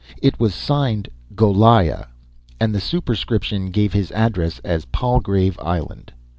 It was signed "Goliah," and the superscription gave his address as "Palgrave Island."